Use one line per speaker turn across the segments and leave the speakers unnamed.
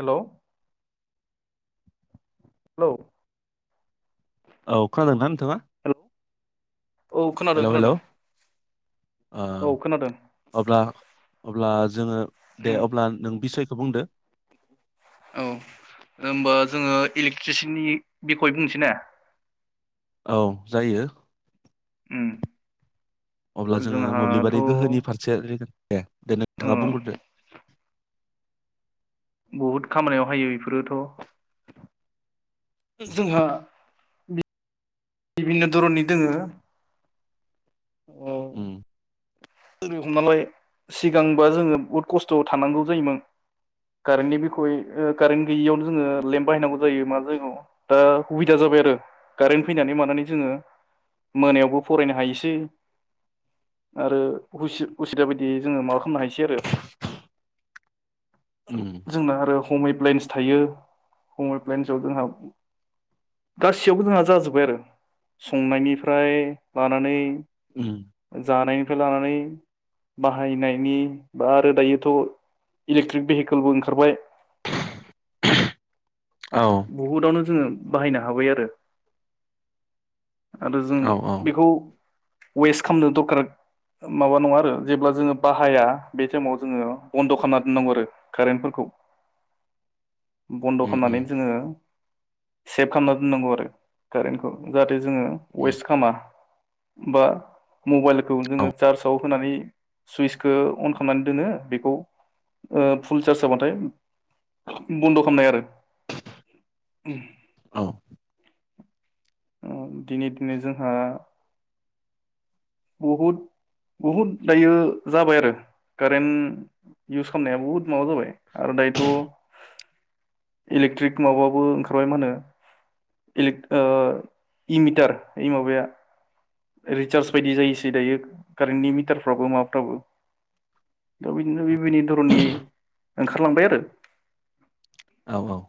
हेल' hello
औ खोनादों ना
हेल' औ खोनादों
हेलौ हेलौ
खोनादों
ओ
औ खोनादों
अब्ला अब्ला जोङो
उम
दे अब्ला नों बिसय सुबुंदो
औ होनबा जोङो इलेक्ट्रिसिटिनि बिखय बुंनोसै ना
औ जायो
उम
अब्ला जोङो
जोंहाथ'
मोब्लिबारि
ओ
गोहोनि फारसे रायगोन दे नोंथाङा बुंग्रोदो
बहुद खामानियाव हायो बेफोरोथ' जोंहा बिभिन्न' धरननि दोङो औ
उम
जै हमनालाय सिगांबा जोङो बुहुद खस्थ' थानांगौ जायोमोन कारेन्टनि बिखय कारेन्ट गैयियावनो जोङो लेम्प बाहायनांगौ जायो मा जायोगाव दा सुबिदा जाबाय आरो कारेन्ट फैनानै मानानै जोङो मोनायावबो फरायनो हायोसै आरो उसि उसिदा बायदियै जोङो माबा खालामनो हायोसै आरो
उम
जोंना आरो हम ए प्लेन्स थायो हम ए प्लेन्सआव जोंहा गासैयावबो जोंहा जाजोब्बाय आरो संनायनिफ्राय लानानै
उम
जानाय लानानै बाहायनायनि बा आरो दायोथ' इलेक्ट्रिक भेहिकेलबो ओंखारबाय
औ
बहुतआ जोङो बाहायनो हाबाय आरो आरो जों
औ औ
बेखौ वेस्ट खालामनो दरखार माबा नङा आरो जेब्ला जोङो बाहाया बे टाइमाव जोङो बन्द' खालामना दोननांगौ आरो कारेन्टफोरखौ बन्द'
उम उम
खालामनानै सेब खालाम दोनांगौ आरो कारेन्टखौ जा टे जोङो
उम
वेस्ट खालामा बा मबाइलखौ जोङो
औ
चार्जाव होनानै सुइसखौ अन खालामनानै दोनङो बेखौ ओ फुल चार्ज जाबाथाय बन्द' खालामनाय आरो उम
औ
ओ दिनै दिनै जोंहा बहुद बहुद दायो जाबाय आरो कारेन्ट इउस खालामनाया बहुद माबा जाबाय आरो दायोथ' इलेक्ट्रिक माबाबो ओंखारबाय मा होनो इलेक ओ इ मिटार ओइ माबाया रिसार्ज बायदि जायोसै दायो कारेन्टनि मिटारफ्राबो माबाफ्राबो दा बिदिनो बिबिन धरननि ओंखारलांबाय आरो
औ औ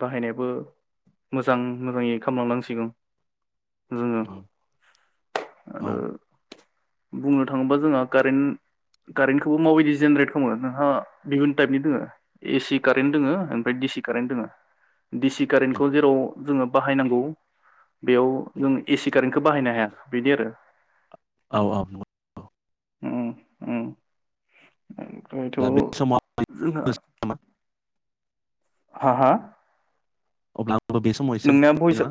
बाहायनायाबो मोजां मोजाङै खालामलांनांसिगौ जोङो
उम औ
आरो बुंनो थाङोबा जोंहा कारेन्ट कारेन्टखौबो माबायदि जेनेरेट खालामो नोंहा बिहुन टाइपनि दोङो एसि कारेन्ट दोङो ओमफ्राय डिसि कारेन्ट दोङ दिसि
उम
कारेन्टखौ जेराव जोङो बाहायनांगौ बेयाव जों एसि कारेन्टखौ बाहायनो हाया बिदि आरो
औ औ
औ औ
बे समाव
हा हा
अ [unintelligible] बे समाव एसे
नोंना भइसा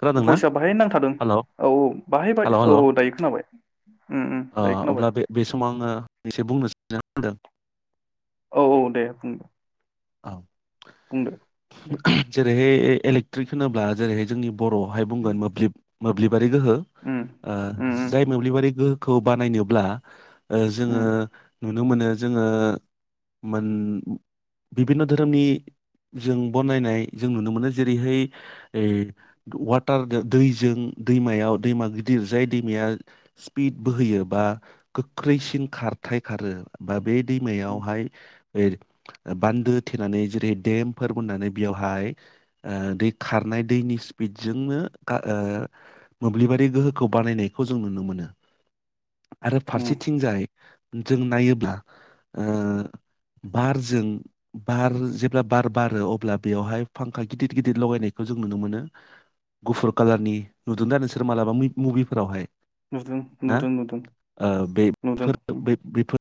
खोनादोंना
भइसआ बाहायनो नांथारादों
हेलौ
औ औ बाहायबाय
हेलौ
औ
हेलौ
औ दायो खोनाबाय उम उम दायो खोनाबाय
अब्ला बे बे समाव आङो एसे बुंनो सानो [unintelligible]
औ औ दे बुंदो
औ
बुंदो दे
[unintelligible] जेरै‌ है इलेकट्रिक होनोब्ला जेरैहाय जोंनि बर'हाय
उम
बुंगोन मोब्लिब मोब्लिब बारि गोहो
उम उम
जाय मोब्लिबारि गोहो खौ बानायनोब्ला जोङो
उम
नुनो मोनो जोङो मोन बिभिन्न' धोरोमनि जों बनायनाय जों नुनो मोनो जेरैहाय वाटार दैजों दैमायाव दैमा गिदिर जाय दैमाया स्पिड बोहैयो बा गोख्रैसिन खारथाय खारो बा बे दैमायावहाय [unintelligible] बान्दो थेनानै जेरै देमफोर बनानै बेयावहाय ओ दै खारनाय दैनि स्पिडजोंनो मोब्लिबारि गोहोखौ बानायनायखौ जों नुनो मोनो आरो
उम
फारसेथिंजाय जों नायोब्ला ओ बारजों बार जेब्ला बार बारो अब्ला बेयावहाय फांखा गिदिर गिदिर लगायनायखौ जों नुनो मोनो गुफुर कालारनि नुदों दा नोंसोर मालाबा मुभिफोरावहाय
नुदों
ना
नुदों नुदों
ओ
नुदों उम
बेफोरफोर बो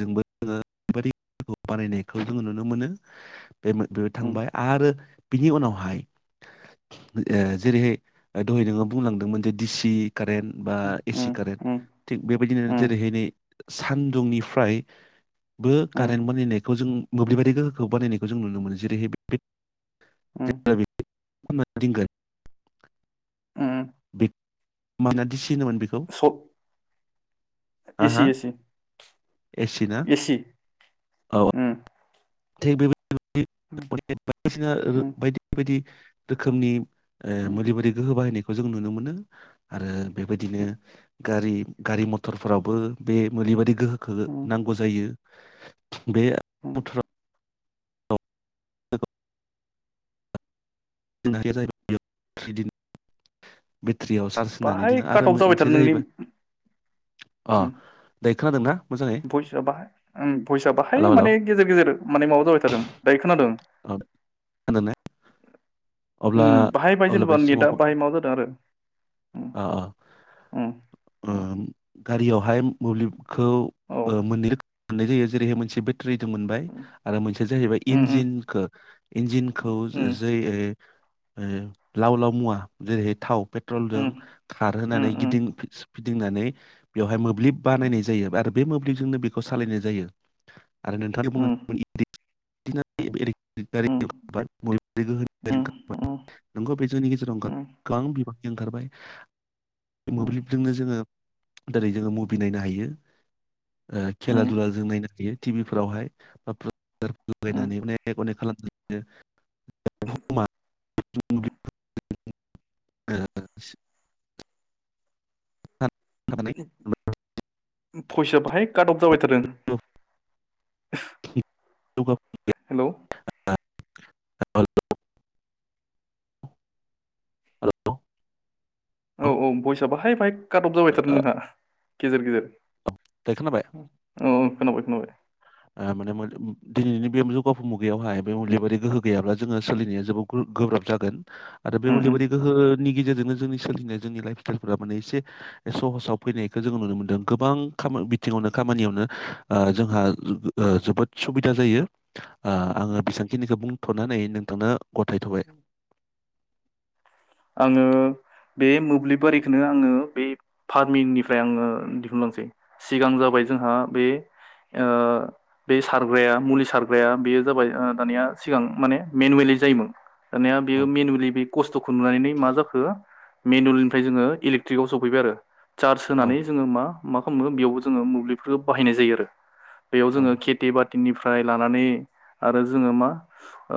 जोङो बे बानायनायखौ जोङो नुनो मोनो बे बेबो
उम
थांबाय आरो बिनि उनावहाय ओ जेरैहाय दहै नोङो बुंलांदोंमोन जे दिसि कारेन्ट बा एसि
उम
कारेन्ट
उम
थिग बेबायदिनो
उम
जेरैहाय नै सानदुंनिफ्राय बो
उम
खारेन बानायनायखौ जों मोब्लिबायदि गोहोखौ बानायनायखौ जों नुनो मोनो ।जेरैहाय
उम
[unintelligible]
उम
माना दिसिनोमोन बेखौ
सब
हा
एसि
हा
एसि
एसि ना
एसि
औ थिग बे बाय
उम
बायदि बायदि रोखोमनि
उम
[unintelligible] खौ जों नुनो मोनो आरो। बेबायदिनो गारि गारि मथरफोरावबो बे मलिबादि गोहोखो
उम
नांगौ जायो। [inaudible] बे
उम
बोथोराव [unintelligible] बेटारियाव चार्ज होननानै
बाहाय
दोनो आरो
काट अफ
मोन
जाबाय
मोनसेया
थादों नोंनि
जाहैबाय अ
उम
दायो खोनादों ना?
भइसआ बाहाय भइसआ बाहाय
हेलौ हेलौ
माने गेजेर गेजेर माने माबा जाबाय थादों दायो खोनादों?
खोनादोंना? अब्ला
बाहायबाहाय
अब्ला बे
जेनेबा नेटआ
समाव
बाहाय माबा जादों आरो उम
अ अ
उम
ओ
उम।
गारियावहाय मोब्लिब खौ मोननै रोखाम मोननाय जायो जेरैहाय मोनसे बेटारि दों मोनबाय आरो मोनसेया जाहैबाय
उम उम
इन्जिनखौ इन्जिनखौ जै लाव लाव मुवा जेरैहाय थाव। पेट्रल जों खारहोनानै गिदिं- फिदिंनानै बेवहाय मोब्लिप बानायनाय जायो आरो। बे मोब्लिबजोंनो बेखौ सालायनाय जायो। आरो नोंथाङादि बुंनो नागिरदोंमोन [unintelligible] [unintelligible] [unintelligible]
भइसआ
[unintelligible] बेफोर बायदि ओंखारबाय मोब्लिबजोंनो जोङो दिनै जोङो मुभि नायनो हायो खेला दुला जों नायनो हायो टिभि फोरावहाय [unintelligible] लगायनानै अनेक अनेक खालामदों [inaudible]
[inaudible]
[unintelligible]
भयसा बाहाय काट अफ जाबाय थादों
[unintelligible]
हेलौ
[unintelligible] दायो
औ औ बयसा बाहाय पाइ काट अफ जाबायथादो नोंहा गेजेर गेजेर
खोनाबाय
औ खोनाबाय खोनाबाय
माने दिनैनि बे जौगाफु मुगायावहाय बे मोब्लिबारि गोहो गैयाब्ला जोङो सोलिनाया जोबोद गोब्राब जागोन आरो बे
उम
मोब्लिबारि गोहो नि गेजेरजोंनो जोंनि सोलिनाय जोंनि लाइफ स्टाइलफोरा माने एसे सहसाव फैनायखौ जोङो नुनो मोन्दों गोबां खा बिथिङावनो खामानियावनो ओ जोंहा जोबोद सुबिदा जायो ओ आङो बेसेबांखिनिखौ बुंथ'नानै नों बेखौनो गथायथबाय
उम आङो बे मोब्लिब आरिखौनो आङो बे फार्मिंनिफ्राय आङो दिहुनलांसै सिगां जाबाय जोंहा बे बे सारग्राया मुलि सारग्राया बेयो जाबाय दानिया सिगां माने मेनुयेलि जायोमोन होना बे
औ
मेनुवेलि बे खस्थ' [unintelligible] मा जाखो मनुयिलनिफ्राय जोङो इलिकट्रिकआव सफैबाय आरो चार्ज
औ
होनानै जोङो मा मा खालामो बेयावबो जोङो मोब्लिफोरखौ बाहायनाय जायो आरो बेयाव जोङो
औ
खेथि बाथि टिनिफ्राय लानानै आरो जोङो मा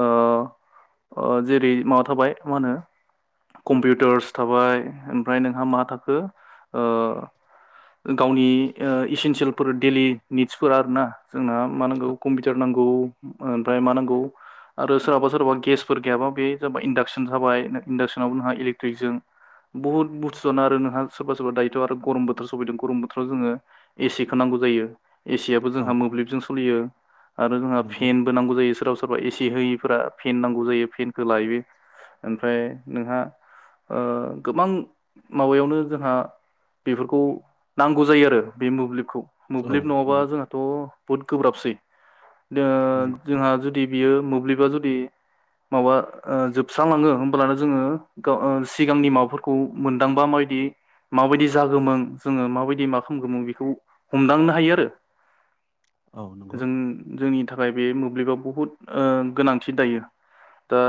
ओ जेरै माबा थाबाय मा होनो कम्पिउटार्स थाबाय ओमफ्राय नोंहा मा थाखो गावनि इसेन्सियेलफोर डेलि निड्सफोर आरो ना जोंना मा
आ-
नांगौ कम्पिउटार नांगौ। नौ ओमफ्राय मा नांगौ आरो सोरहाबा सोराबा गेसफोर गैयाबा बे जाबा इन्डाक्सन जाबाय। इन्डाक्सनावबो नोंहा इलेक्ट्रिकजों बुहुत बुस्थु जानो आरो नोंहा सोरबा सोरबा दायोथ' आरो गरम बोथोर सफैदों गरम बोथोराव जोङो एसिखौ नांगौ जायो। एसियाबो
औ
जोंहा मोब्लिबजों सोलियो। आरो जोंहा
नंगौ
फेनबो नांगौ जायो सोराव सोर सोरबा एसि होयिफोरा फेन नांगौ जायो फेनखौ लायो ओमफ्राय जोंहा ओ गोबां माबायावनो जोंहा बेफोरखौ नांगौ जायो आरो बे मोब्लिबखौ
औ
मोब्लिब नङाबा
नंगौ
जोंहाथ' बहुट गोब्राबसै जो
नंगौ
जोंहा जुदि बियो मोब्लिबा जुदि माबा जोबस्रांलाङो होमब्लानो जोङो सिगांनि माबाफोरखौ मोनदांबा माबायदि माबायदि जागोमोन जोङो माबायदि मा खालामगमोन बेखौ हमदांनो हायो आरो
औ नंगौ
जों जोंनि निनि थाखाय बे मोब्लिबाव बुहुत गोनांथि दायो दा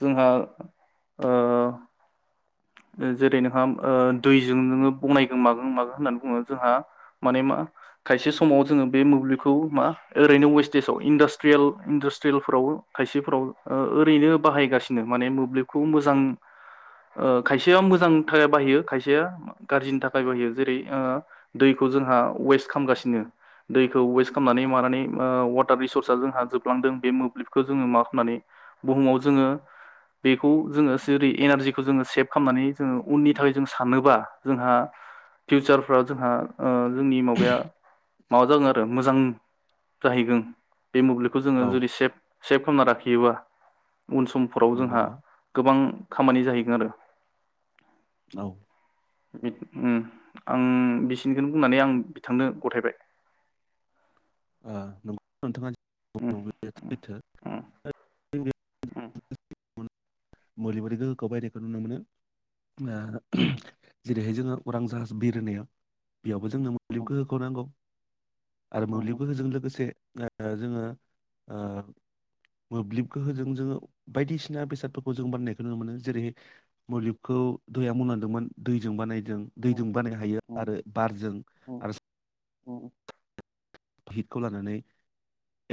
जोंहा ओ जेरै नोंहा ओ दैजों नोङो बनायगोन मागों मागो होननानै बुङो जोंहा माने मा खायसे समाव जोङो बे मोब्लिबखौ मा ओरैनो वेस्टेजाव इन्डास्ट्रियेल इन्डास्ट्रियेलफोराव खायसेफोराव ओरैनो बाहायगासिनो माने मोब्लिबखौ मोजां ओ खायसेया मोजां थाखाय बाहायो खायसेया गाज्रिनि थाखाय बाहायो जेरै ओ दैखौ जोंहा वेस्ट खालामगासिनो दैखौ वेस्ट खालामनानै मानानै वाटार रिसर्सा जोंहा जोबलांदों बे मोब्लिबखौ जोङो मा खालामनानै बुहुमाव जोङो बेखौ जोङो जेरै एनारजिखौ बेखौ जोङो सेभ खालामनानै जोङो उननि थाखाय जों सानोबा जोंहा फिउचार फाव जोंहा ओ जोंनि माबाया माबा जागोन आरो मोजां जाहैगोन। बे मोब्लिबखौ जोङो
औ
जुदि सेभ खालामना लाखि गेवा। उन समफोराव
नंगौ
जोंहा
नंगौ
गोबां खामानि जाहै बिनो
औ।
आं बिसिनिखौनो बुंनानै आं बिथांनो गथायबाय उम
आ
उम
[unintelligible] मुलिबि गोहोखौ बायदिखौ नुनो मोनो। जेरैहाय जोङो उरां जाहाज बिरहोरनायाव बेयावबो जोंनो मोब्लिब गोहोखौ नांगौ। आरो
उम
मोब्लिबोफोरजों लोगोसे ओ जोङो ओ मोब्लिब गोहोजों जोङो बायदिसिना बेसादफो रांखौ जों बानायनायखौ नुनो मोनो जेरै मोब्लिबखौ दैया मांदोंमोन दैजों बानायदों। दैजों बानाय हायो आरो बारजों आरो
अ
हितखौ लानानै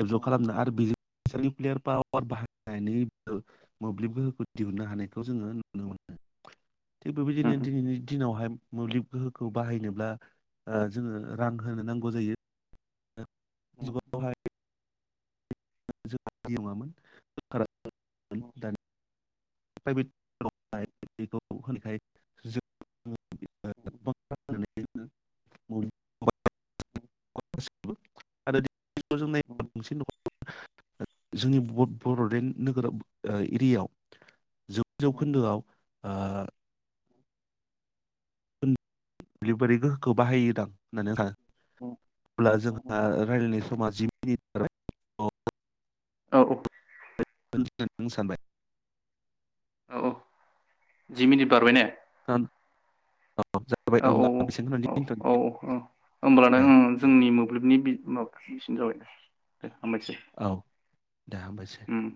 एबजरब खालामनो आरो बिजो निउक्लियार पावार बाहायनानैबो मोब्लिब गोहोखौ दिहुनन्नो हानायखौ जोङो नुनो मोनो थिग बेबायदिनो दिनैनि दिनावहाय मोब्लिब गोहोखौ बाहायनोब्ला ओ जोङो रां होनो नांगौ जायो
औ
ज नङामोनखारा [unintelligible] द [unintelligible] प्राइभेटखौ होनायखाय जों
औ
आरो [unintelligible] नाय बां [unintelligible] जोंनि बड'लेण्ड नोगोर एरियायाव जौ जौखोन्दोआव आरो गोहोखौ बाहायो दां होननानै नोंथाङा ब्ला जोंहा रायलायनि [unintelligible]
औ औ
[unintelligible]
औ औ जि मिनिट बारबाय ने
[unintelligible] जाबाय
औ औ
होमब्ला
औ औ
बेसेबांखिनियावनो
औ
दोनथ'नोसै
औ होमब्लानो
दे दे
जोंनि मोब्लिबनि बि उम बिसेन जाबाय दे दे हामबायसै
औ दे हामबायसै
उम